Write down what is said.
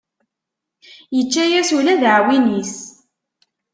Yečča-yas ula d aɛwin-is.